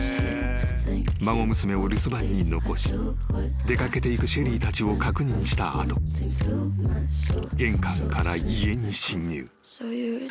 ［孫娘を留守番に残し出掛けていくシェリーたちを確認した後玄関から家に侵入］